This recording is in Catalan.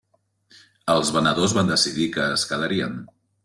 Els venedors van decidir que es quedarien.